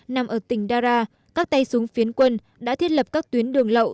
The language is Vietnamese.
nằm ở tỉnh dara các tay súng phiến quân đã thiết lập các tuyến đường lậu